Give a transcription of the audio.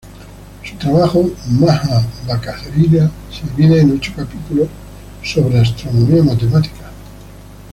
Su trabajo "Maja-bhaskaríia" se divide en ocho capítulos sobre astronomía matemática.